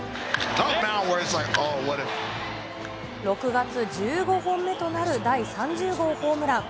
６月、１５本目となる第３０号ホームラン。